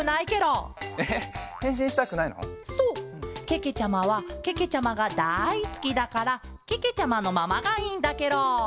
けけちゃまはけけちゃまがだいすきだからけけちゃまのままがいいんだケロ。